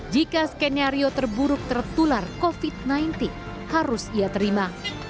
jika skenario terburuk tertular covid sembilan belas harus ia terima